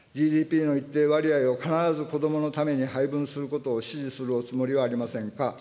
ＧＤＰの一定割合を必ず子どものために配分することを指示するおつもりはありませんか。